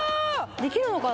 ・できるのかな？